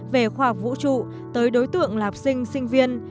về khoa học vũ trụ tới đối tượng lạp sinh sinh viên